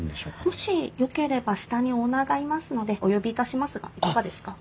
もしよければ下にオーナーがいますのでお呼びいたしますがいかがですか？